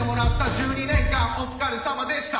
１２年間おつかれさまでした